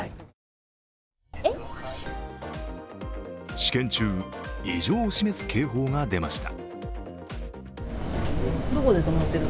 試験中、異常を示す警報が出ました。